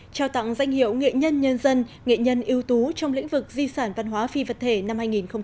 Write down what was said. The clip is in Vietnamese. trao tặng danh hiệu nghệ nhân nhân dân nghệ nhân ưu tú trong lĩnh vực di sản văn hóa phi vật thể năm hai nghìn một mươi chín